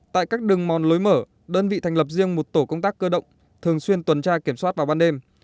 tại các đường mòn lối mở đơn vị thành lập riêng một tổ công tác cơ động thường xuyên tuần tra kiểm soát vào ban đêm